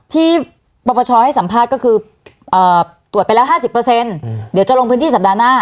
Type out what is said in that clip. ปปชให้สัมภาษณ์ก็คือตรวจไปแล้ว๕๐เดี๋ยวจะลงพื้นที่สัปดาห์หน้า